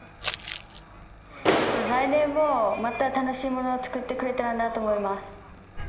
来年もまた楽しいものを作ってくれたらなと思います。